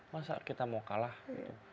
masa kita mau kalah gitu